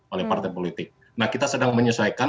oleh partai politik nah kita sedang menyesuaikan